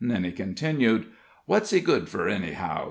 Then he continued: "What's he good fur, anyhow?